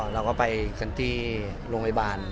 เราก็ไปกันที่โรงพยาบาล